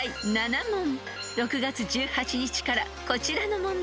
［６月１８日からこちらの問題］